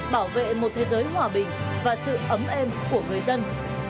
bảo vệ một thế giới hòa bình và sự ấm êm của người dân